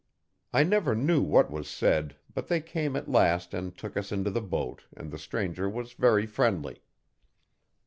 I never knew what was said, but they came at last and took us into the boat and the stranger was very friendly.